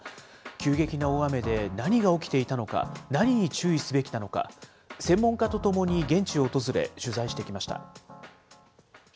急激な大雨で何が起きていたのか、何に注意すべきなのか、専門家と共に現地を訪れ、取材してきました。